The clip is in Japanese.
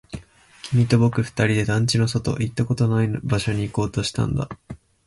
君と僕二人で団地の外、行ったことのない場所に行こうとしたんだ